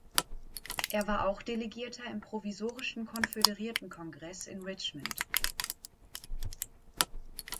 Er war auch Delegierter im Provisorischen Konföderiertenkongress in Richmond.